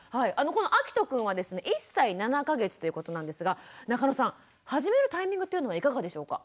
このあきとくんはですね１歳７か月ということなんですが中野さん始めるタイミングというのはいかがでしょうか？